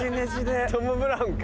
トム・ブラウンか。